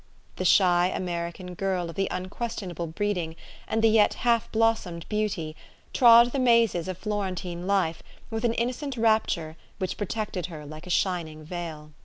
The shy American girl of the unquestionable breeding and the yet half blos somed beauty, trod the mazes of Florentine life with an innocent rapture which protected her like a shin ing veil.